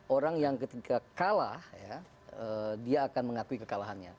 orang yang ketika kalah dia akan mengakui kekalahannya